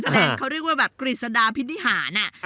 แสดงเขาเรียกว่าแบบกฤษฎาพินิหาร